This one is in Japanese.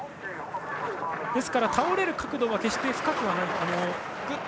ですから、倒れる角度は決して深くはない。